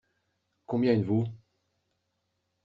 Combien êtes-vous ?